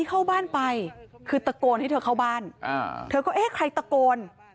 พี่บุหรี่พี่บุหรี่พี่บุหรี่พี่บุหรี่